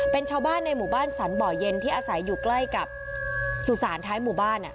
เป็นชาวบ้านในหมู่บ้านสรรบ่อเย็นที่อาศัยอยู่ใกล้กับสุสานท้ายหมู่บ้าน